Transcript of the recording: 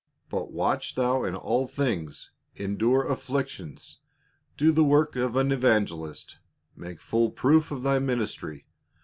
But watch thou in all things, endure afflictions, do the work of an evangelist, make full proof of thy ministry.